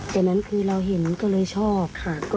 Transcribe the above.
แต่งั้นคือเราเห็นไปได้เลยชอบ